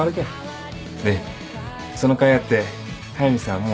でそのかいあって速見さんはもう治ったと？